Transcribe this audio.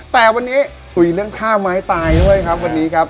แต่วันนี้คุยเรื่องท่าไม้ตายด้วยครับวันนี้ครับ